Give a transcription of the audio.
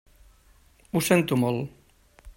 Ho sento molt.